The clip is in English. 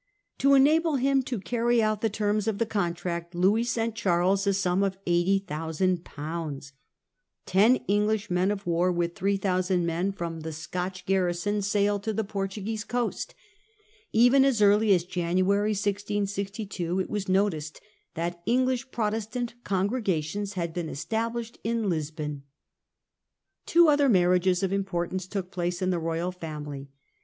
To enable him to carry out the terms of the contract Louis sent Charles a sum of So, 000/. Ten 1 662. Sale of Dunkirk. 103 English men of war, with 3,000 men from the Scotch garrisons, sailed to the Portuguese coast. Even as early as January 1662 it was noticed that English Protestant congregations had been established in Lisbon. Two other marriages of importance took place in the royal family.